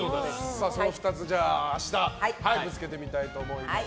その２つ明日ぶつけてみたいと思います。